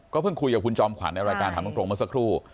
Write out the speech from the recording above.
เพิ่งคุยกับคุณจอมขวัญในรายการถามตรงเมื่อสักครู่